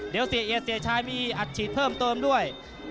เดี๋ยวเสียเอียดเสียชายมีอัดฉีดเพิ่มเติมด้วย